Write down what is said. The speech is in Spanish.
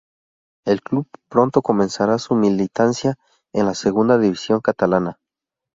El club pronto comenzará su militancia en la Segunda División Catalana.